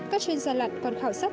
các chuyên gia lặn còn khảo sát